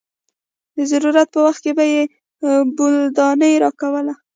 د ضرورت پر وخت به يې بولدانۍ راکوله.